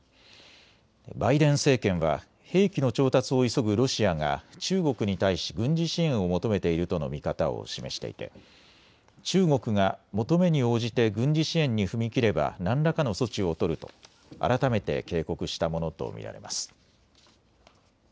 バイデン政権は兵器の調達を急ぐロシアが中国に対し軍事支援を求めているとの見方を示していて中国が求めに応じて軍事支援に踏み切れば何らかの措置を取ると改めて警告したものと見られます。